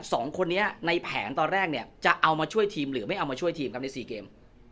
สองคนนี้ในแผนตอนแรกเนี่ยจะเอามาช่วยทีมหรือไม่เอามาช่วยทีมครับในสี่เกม